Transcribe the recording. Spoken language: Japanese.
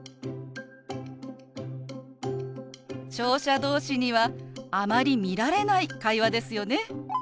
聴者同士にはあまり見られない会話ですよね。